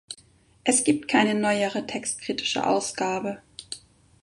Es gibt keine neuere textkritische Ausgabe.